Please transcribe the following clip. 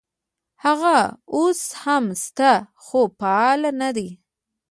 هغه اوس هم شته خو فعال نه دي.